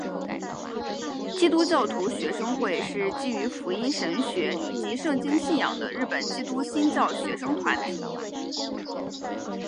基督教徒学生会是基于福音神学以及圣经信仰的日本基督新教学生团体。